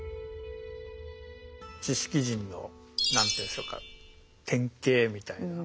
知識人の何ていうんでしょうか典型みたいな。